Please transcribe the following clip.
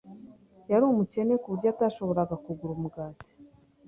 Yari umukene ku buryo atashoboraga kugura umugati.